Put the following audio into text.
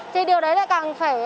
thì điều đấy lại càng phải